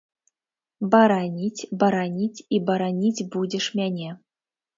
Бараніць, бараніць і бараніць будзеш мяне.